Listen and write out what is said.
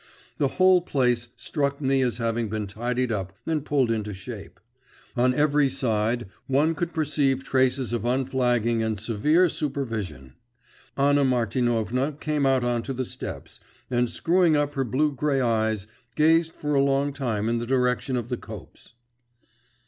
The whole place struck me as having been tidied up and pulled into shape. On every side one could perceive traces of unflagging and severe supervision. Anna Martinovna came out on to the steps, and screwing up her blue grey eyes, gazed for a long while in the direction of the copse.